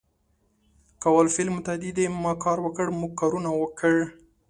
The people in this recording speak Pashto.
کول فعل متعدي دی ما کار وکړ ، موږ کارونه وکړ